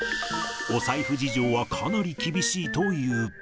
お財布事情はかなり厳しいという。